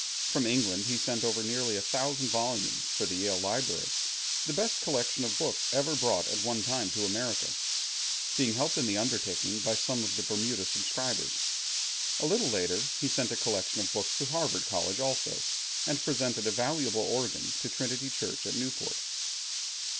From England he sent over nearly a thousand volumes for the Yale library, the best collection of books ever brought at one time to America, being helped in the undertaking by some of the Bermuda subscribers. A little later he sent a collection of books to Harvard College also, and presented a valuable organ to Trinity Church in Newport.